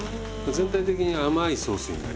全体的に甘いソースになります。